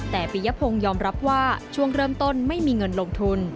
แต่ปียพงศ์ยอมรับว่าช่วงเริ่มต้นไม่มีเงินลงทุน